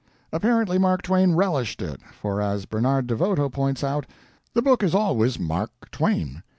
Apparently Mark Twain relished it, for as Bernard DeVoto points out, "The book is always Mark Twain.